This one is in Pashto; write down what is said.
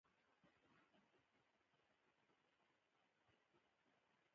سخاوت د بخل او اسراف ترمنځ سرحد تشکیلوي.